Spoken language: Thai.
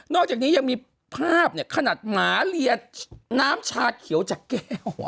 อกจากนี้ยังมีภาพเนี่ยขนาดหมาเลียน้ำชาเขียวจากแก้ว